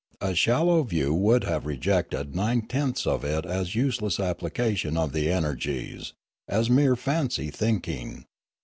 A shallow view would have rejected nine tenths of it as useless application of the energies, as mere fancy think ing.